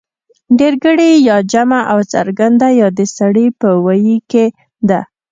ډېرگړې يا جمع او څرگنده يا د سړي په ویي کې ده